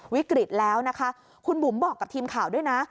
วิกฤตแล้วนะคะคุณบุ๋มบอกกับทีมข่าวด้วยนะ